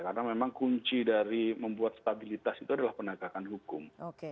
karena memang kunci dari membuat stabilitas itu adalah penegakan hukum